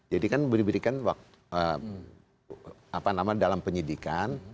jadi kan beri berikan dalam penyidikan